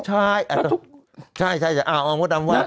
ใช่ใช่อ้าวอำมุดอำวาสต่อ